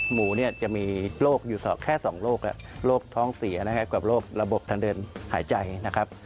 หมูเนี่ยจะมีโรคอยู่แค่๒โรคโรคท้องเสียนะครับกับโรคระบบทางเดินหายใจนะครับ